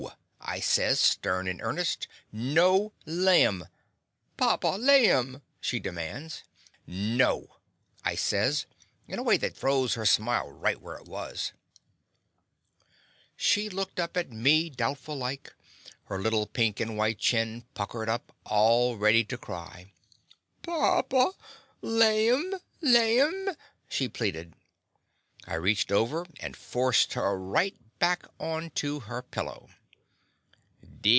I says, stem in earnest. "No laimr "Papa, laim!" she demands. "No!" I says, in a way that froze her smile right where it was. She The Confessions of a Daddy looked up at me doubtful like, her lit tle pink and white chin puckered up all ready to cry. "Papa, laim, laim!'* she pleaded. I reached over and forced her right back on to her pillow.